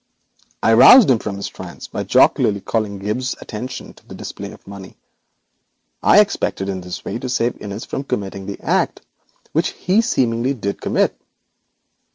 I roused him from his trance by jocularly calling Gibbes's attention to the display of money. I expected in this way to save Innis from committing the act which he seemingly did commit.